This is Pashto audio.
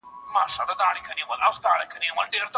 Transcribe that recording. زما یې خټه ده اخیستې د خیام د خُم له خاورو